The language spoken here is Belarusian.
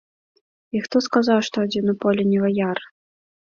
І хто сказаў, што адзін у полі не ваяр?